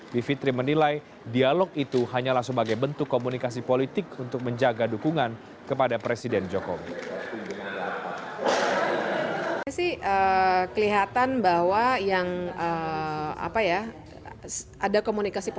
bivitri menilai dialog itu hanyalah sebagai bentuk komunikasi politik untuk menjaga dukungan kepada presiden jokowi